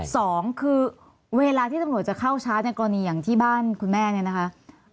สองคือเวลาที่ตำรวจจะเข้าชาร์จในกรณีอย่างที่บ้านคุณแม่เนี่ยนะคะ